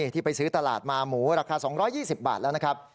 ที่ไปซื้อตลาดมาหมูราคา๒๒๐บาทแล้วนะครับ